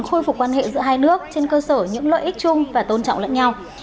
khôi phục quan hệ giữa hai nước trên cơ sở những lợi ích chung và tôn trọng lẫn nhau